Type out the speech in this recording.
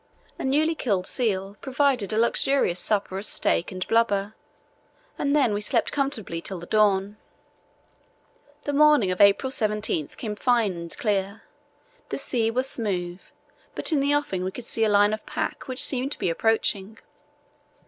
A newly killed seal provided a luxurious supper of steak and blubber, and then we slept comfortably till the dawn. The morning of April 17 came fine and clear. The sea was smooth, but in the offing we could see a line of pack, which seemed to be approaching.